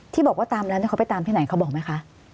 ที่บอกว่าตามแล้วเขาไปตามที่ไหนเขาบอกไหมคะ